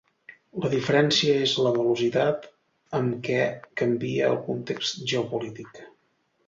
La diferència és la velocitat amb què canvia el context geopolític.